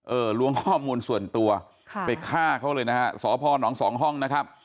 เออล้วงห้อมวนส่วนตัวไปฆ่าเขาเลยนะฮะสพหนองสองห้องนะครับ